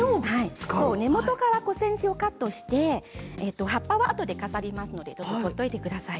根元から５ｃｍくらいをカットして葉っぱはあとで飾りますので取っておいてください。